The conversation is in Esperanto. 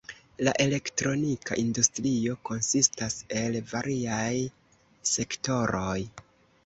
La elektronika industrio konsistas el variaj sektoroj.